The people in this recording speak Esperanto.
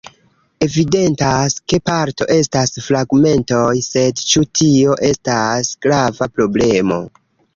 Evidentas, ke parto estas fragmentoj, sed ĉu tio estas grava problemo?